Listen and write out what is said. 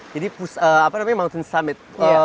jadi apa namanya mountain summit